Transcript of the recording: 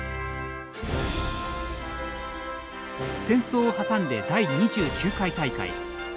戦争を挟んで、第２９回大会。